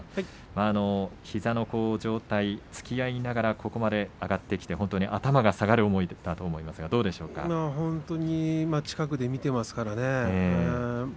膝の状態、つきあいながらここまで上がってきて頭が下がる思いだと思いますが本当に近くで見ていますからね。